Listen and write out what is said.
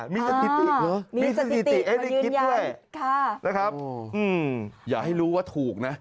มีสถิติเหรอมีสถิติให้ได้คิดด้วยนะครับอย่าให้รู้ว่าถูกนะ